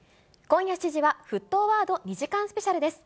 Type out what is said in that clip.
今夜７時は、沸騰ワード２時間スペシャルです。